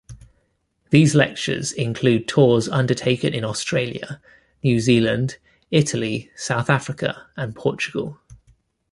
These lectures include tours undertaken in Australia, New Zealand, Italy, South Africa and Portugal.